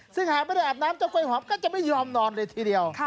ซึ่งหากไม่ได้อาบน้ำเจ้ากล้วยหอมก็จะไม่ยอมนอนเลยทีเดียว